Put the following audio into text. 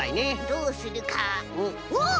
どうするかおっ！